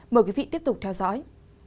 mời quý vị tiếp tục theo dõi